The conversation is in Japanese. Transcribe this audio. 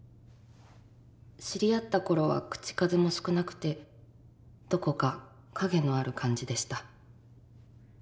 知り合った頃は口数も少なくてどこか影のある感じでした。